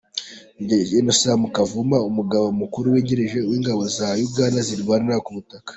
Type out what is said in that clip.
-Maj Gen Sam Kavuma, umugaba mukuru wungirije w’ingabo za Uganda zirwanira ku butaka.